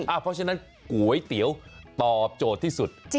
เพราะฉะนั้นก๋วยเตี๋ยวตอบโจทย์ที่สุด